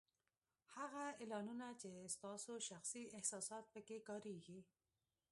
هغه اعلانونه چې ستاسو شخصي احساسات په کې کارېږي